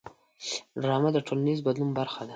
ډرامه د ټولنیز بدلون برخه ده